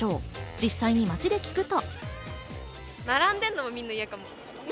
実際に街で聞くと。